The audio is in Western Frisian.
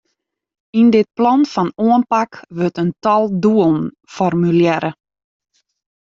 Yn dit plan fan oanpak wurdt in tal doelen formulearre.